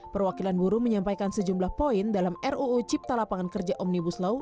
perwakilan buruh menyampaikan sejumlah poin dalam ruu cipta lapangan kerja omnibus law